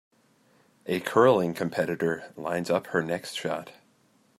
A curling competitor lines up her next shot.